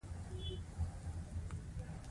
ټوله پانګه اوس یو سل لس میلیونه افغانۍ ده